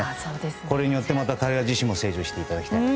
これによって彼ら自身も成長していただきたい。